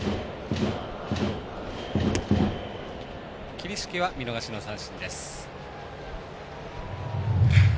桐敷は見逃しの三振です。